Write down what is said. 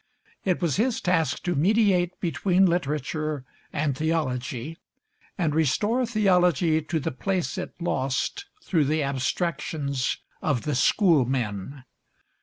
It was his task to mediate between literature and theology, and restore theology to the place it lost through the abstractions of the schoolmen.